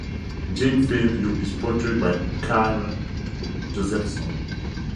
Jane Fairview is portrayed by Kira Josephson.